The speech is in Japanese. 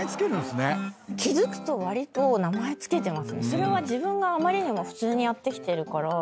それは自分があまりにも普通にやってきてるから。